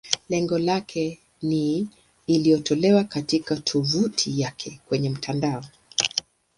Lengo lake ni iliyotolewa katika tovuti yake kwenye mtandao.